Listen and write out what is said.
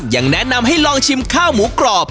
ยังแนะนำให้ลองชิมข้าวหมูกรอบ